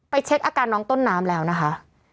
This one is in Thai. เช็คอาการน้องต้นน้ำแล้วนะคะ